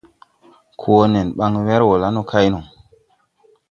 Koo wo nen baŋ wɛr wɔ la no kay.